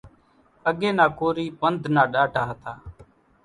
اڳيَ نا ڪورِي پنڌ نا ڏاڍا هتا۔